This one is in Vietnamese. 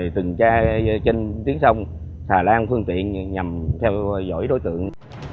từng tra trên tiếng sông hà lan phương tiện nhằm theo dõi đối tượng